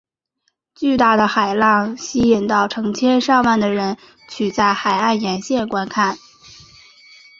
巨大的海浪吸引到成千上万人取在海岸沿线观看。